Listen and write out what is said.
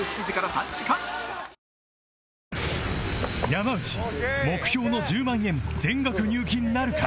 山内目標の１０万円全額入金なるか？